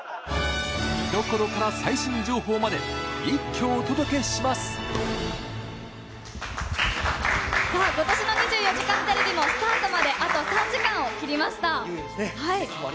見どころから最新情報まで、さあ、ことしの２４時間テレビも、スタートまであと３時間を切りまいよいよですね。